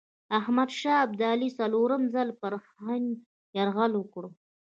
احمدشاه ابدالي څلورم ځل پر هند یرغل وکړ.